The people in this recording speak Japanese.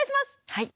はい。